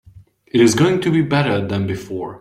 It is going to be better than before.